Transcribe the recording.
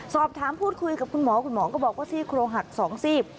สอบถามพูดคุยกับคุณหมอคุณหมอก็บอกว่าซี่โครงหัก๒ซีก